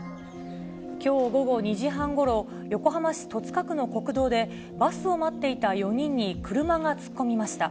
きょう午後２時半ごろ、横浜市戸塚区の国道で、バスを待っていた４人に車が突っ込みました。